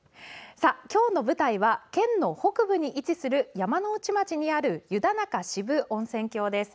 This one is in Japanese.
今日の舞台は県の北部に位置する山ノ内町にある湯田中渋温泉郷です。